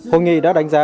hội nghị đã đánh giá